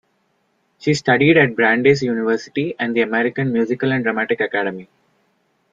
She studied at Brandeis University and the American Musical and Dramatic Academy.